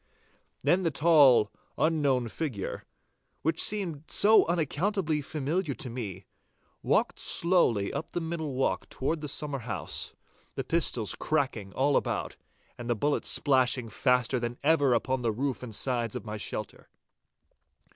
Then the tall, unknown figure, which seemed yet unaccountably familiar to me, walked slowly up the middle walk toward the summer house, the pistols cracking all about, and the bullets splashing faster than ever upon the roof and sides of my shelter.